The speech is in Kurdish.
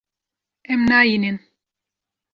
Em nayînin.